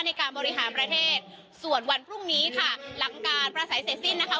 ในการบริหารประเทศส่วนวันพรุ่งนี้ค่ะหลังการประสัยเสร็จสิ้นนะคะ